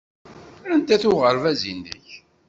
Anda-t uɣerbaz-nnek?